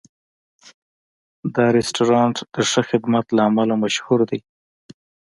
دا رستورانت د ښه خدمت له امله مشهور دی.